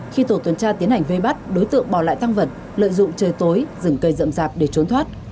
khi tổ tuần tra tiến hành vây bắt đối tượng bỏ lại tăng vật lợi dụng trời tối dừng cây rậm rạp để trốn thoát